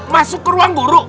masuk ke ruang guru